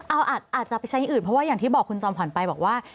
เอาอาจจะไปใช้อย่างอื่นเพราะว่าอย่างที่บอกคุณจอมขวัญไปบอกว่า